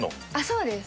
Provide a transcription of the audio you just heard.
そうです。